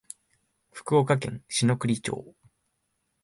福岡県篠栗町